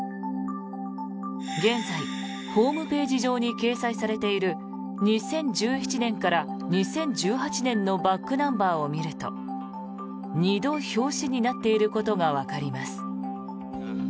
現在、ホームページ上に掲載されている２０１７年から２０１８年のバックナンバーを見ると２度表紙になっていることがわかります。